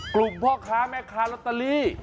กลุ่มพ่อค้าแม่ค้ารตรี